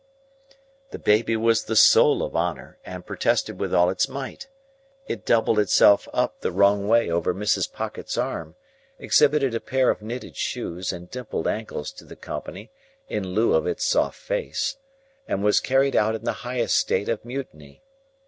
The baby was the soul of honour, and protested with all its might. It doubled itself up the wrong way over Mrs. Pocket's arm, exhibited a pair of knitted shoes and dimpled ankles to the company in lieu of its soft face, and was carried out in the highest state of mutiny.